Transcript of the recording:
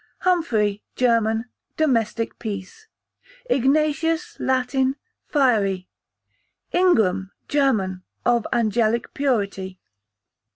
Humphrey, German, domestic peace. Ignatius, Latin, fiery. Ingram, German, of angelic purity.